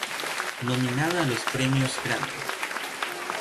Nominada a los Premios Grammy.